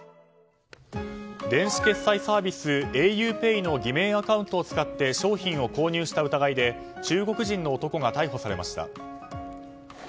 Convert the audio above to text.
電子決済サービスａｕＰＡＹの偽名アカウントを使って商品を購入した疑いで中国人の男が逮捕されました。